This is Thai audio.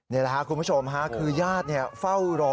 นี่แหละคุณผู้ชมค่ะคือญาติเป้ารอ